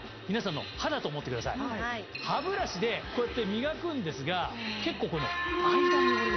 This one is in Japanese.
歯ブラシでこうやって磨くんですが結構この間の汚れ。